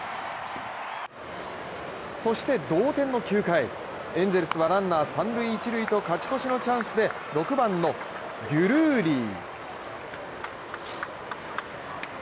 そして同点の９回、エンゼルスはランナー三・一塁と勝ち越しのチャンスで６番のデュルーリー。